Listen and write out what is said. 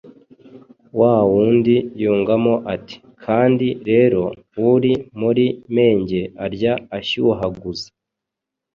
wa wundi yungamo ati: “Kandi rero uri muri Menge arya ashyuhaguza!